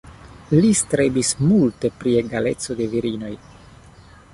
Li strebis multe pri egaleco de virinoj.